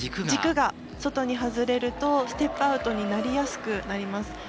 軸が外に外れるとステップアウトになりやすくなります。